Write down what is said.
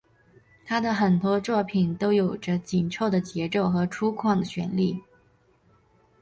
他的很多作品有着紧凑的节奏和粗犷的旋律。